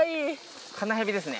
カナヘビですね。